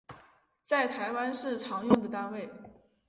在台湾是常用的单位